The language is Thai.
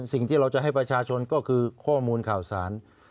สิ่งที่เราจะให้ประชาชนก็คือข้อมูลข่าวสาร